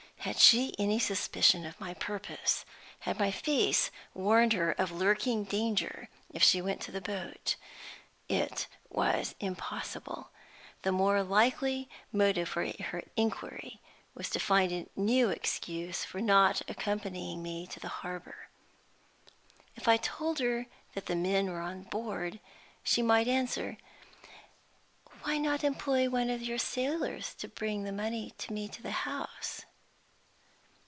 Had she any suspicion of my purpose? Had my face warned her of lurking danger if she went to the boat? It was impossible. The more likely motive for her inquiry was to find a new excuse for not accompanying me to the harbor. If I told her that the men were on board, she might answer, "Why not employ one of your sailors to bring the money to me at the house?"